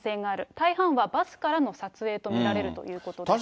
大半はバスからの撮影と見られるということです。